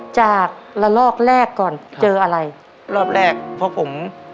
จากระลอกแรกก่อนเจออะไรรอบแรกเพราะผม